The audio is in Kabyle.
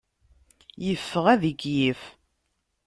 Yeffeɣ ad ikeyyef.